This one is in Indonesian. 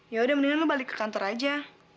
ya udah mendingan lo balik ke kantor aja